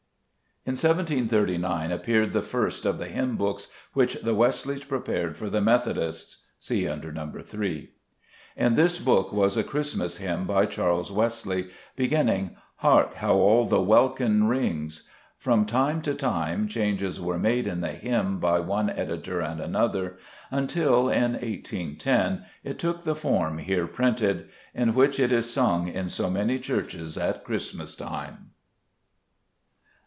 16 Zbe West Cburcb tb^mns. In 1739 appeared the first of the hymn books which the Wesleys prepared for the Methodists (see under No. 3). In this book was a Christmas hymn by Charles Wesley, beginning " Hark, how all the welkin rings. ,? From time to time changes were made in the hymn by one editor and another, until in 1S10 it took the form here printed, in which it is sung in so many churches at Christmas time.